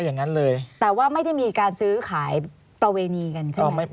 ธุรกิจเลยแต่ว่าไม่ได้มีการซื้อขายประเวณีกันใช่ไหมครับ